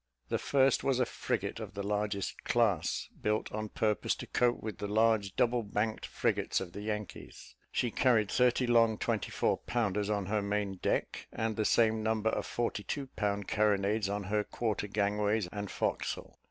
The first was a frigate of the largest class, built on purpose to cope with the large double banked frigates of the Yankees. She carried thirty long twenty four pounders on her main deck, and the same number of forty two pound carronades on her quarter gangways and forecastle.